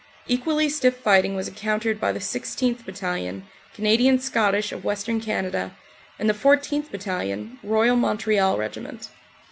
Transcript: Equally stiff fighting was encountered by the 16th. Battalion, Canadian Scottish of Western Canada, and the 14th. Battalion, Royal Montreal Regiment.